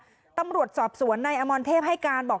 มีคนร้องบอกให้ช่วยด้วยก็เห็นภาพเมื่อสักครู่นี้เราจะได้ยินเสียงเข้ามาเลย